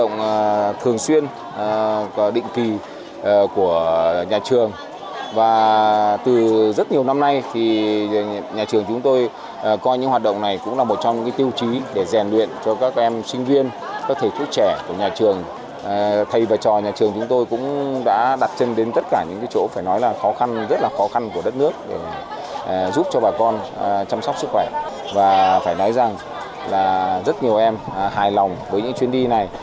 giúp cho bà con chăm sóc sức khỏe và phải nói rằng là rất nhiều em hài lòng với những chuyến đi này